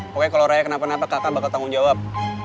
pokoknya kalau raya kenapa napak kakak bakal tanggung jawab